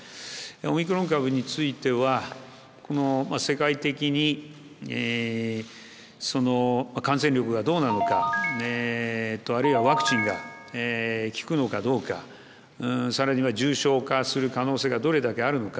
オミクロン株については世界的にその感染力がどうなのかあるいはワクチンが効くのかどうかさらには重症化する可能性がどれだけあるのか。